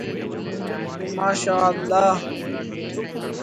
ماشااللہ۔